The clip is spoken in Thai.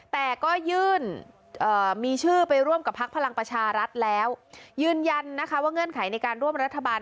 แต่ก็ยื่นมีชื่อไปร่วมกับพักพลังประชารัฐแล้วยืนยันนะคะว่าเงื่อนไขในการร่วมรัฐบาล